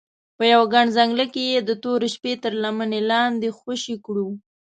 په یوه ګڼ ځنګله کې یې د تورې شپې تر لمنې لاندې خوشې کړو.